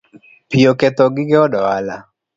Pi oketho gige od ohala